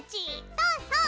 そうそう！